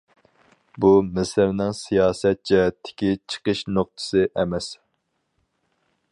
بۇ مىسىرنىڭ سىياسەت جەھەتتىكى چىقىش نۇقتىسى ئەمەس.